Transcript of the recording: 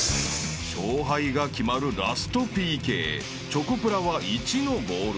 ［勝敗が決まるラストＰＫチョコプラは１のボールを］